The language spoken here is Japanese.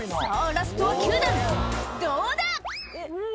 ラストは９段どうだ